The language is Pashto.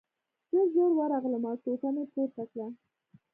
زه ژر ورغلم او ټوټه مې پورته کړه